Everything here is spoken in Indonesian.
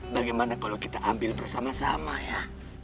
bagaimana kalau kita ambil bersama sama ya